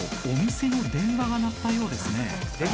お店の電話が鳴ったようですね。